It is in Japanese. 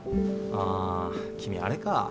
あ君あれか。